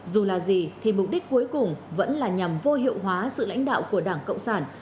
dù là gì thì mục đích cuối cùng vẫn là nhằm vô hiệu hóa sự lãnh đạo của đảng cộng sản